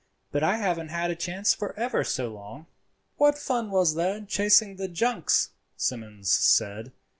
But I haven't had a chance for ever so long." "What fun was there in chasing the junks?" Simmons said.